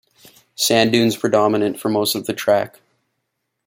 Sand dunes predominate for most of the track.